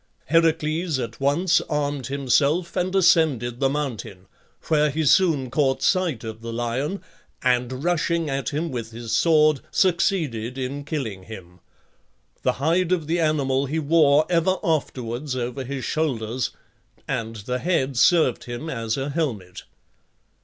Heracles at once armed himself and ascended the mountain, where he soon caught sight of the lion, and rushing at him with his sword succeeded in killing him. The hide of the animal he wore ever afterwards over his shoulders, and the head served him as a helmet.